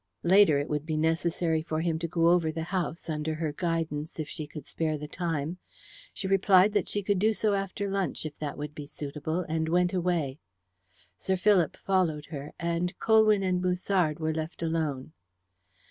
Later, it would be necessary for him to go over the house, under her guidance, if she could spare the time. She replied that she could do so after lunch if that would be suitable, and went away. Sir Philip followed her, and Colwyn and Musard were left alone.